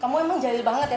kamu emang jahil banget ya